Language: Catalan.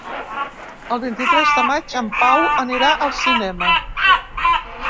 El vint-i-tres de maig en Pau anirà al cinema.